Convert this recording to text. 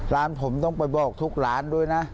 ร้านผมต้องไปบอกทุกร้านด้วยนะ